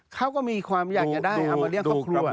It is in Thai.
เขาก็มีความอยากอย่าได้เอามาเลี้ยงเขาครัว